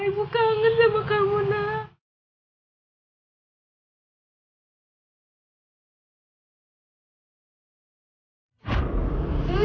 ibu kangen sama kamu nak